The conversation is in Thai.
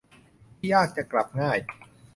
ที่ยากจะกลับง่าย